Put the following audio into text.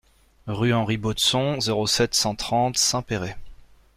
Rue Henri Baudson, zéro sept, cent trente Saint-Péray